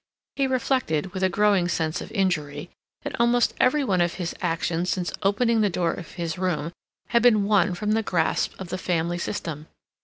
He reflected, with a growing sense of injury, that almost every one of his actions since opening the door of his room had been won from the grasp of the family system.